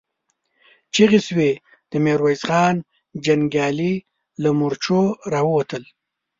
چيغې شوې، د ميرويس خان جنګيالي له مورچو را ووتل.